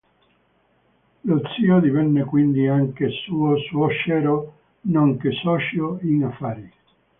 Lo zio divenne quindi anche suo suocero, nonché socio in affari.